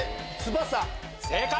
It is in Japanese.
正解！